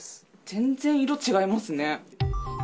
全然、色違いますね。